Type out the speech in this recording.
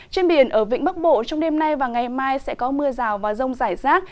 trên biển ở vĩnh bắc bộ trong đêm nay và ngày mai sẽ có mưa rào và rông rải rác